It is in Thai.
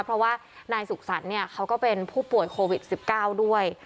เพราะว่านายสุขสรรค์เนี่ยเขาก็เป็นผู้ป่วยโควิด๑๙ด้วย